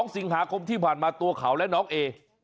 ๒สิงหาคมที่ผ่านมาตัวเขาและน้องเอ